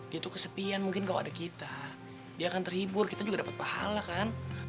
dia tuh kesepian mungkin kalau ada kita dia akan terhibur kita juga dapat pahala kan